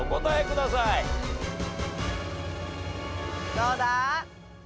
どうだ？